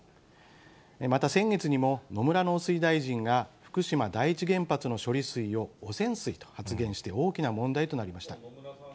また、先月にも野村農水大臣が福島第一原発の処理水を汚染水と発言して、大きな問題となりました。